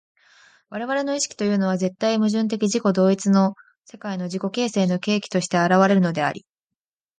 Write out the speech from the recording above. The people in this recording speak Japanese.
我々の意識というのは絶対矛盾的自己同一の世界の自己形成の契機として現れるのであり、